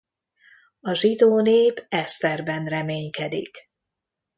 A zsidó nép Eszterben reménykedik.